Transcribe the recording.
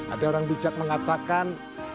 ada orang bijak mengatakan